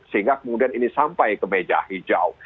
sehingga kemudian ini sampai ke meja hijau